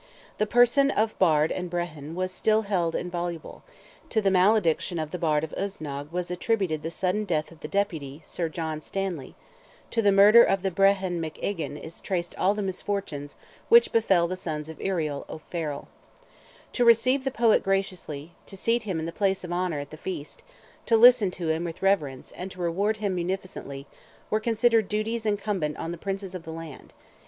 The person of Bard and Brehon was still held inviolable; to the malediction of the Bard of Usnagh was attributed the sudden death of the Deputy, Sir John Stanley; to the murder of the Brehon McEgan is traced all the misfortunes which befell the sons of Irial O'Farrell. To receive the poet graciously, to seat him in the place of honour at the feast, to listen to him with reverence, and to reward him munificently, were considered duties incumbent on the princes of the land.